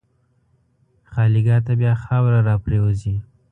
خالیګاه ته بیا خاوره راپرېوځي.